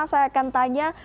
saya akan tanya